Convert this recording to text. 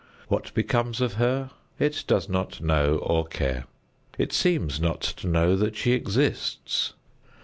What becomes of her it does not know or care. It seems not to know that she exists.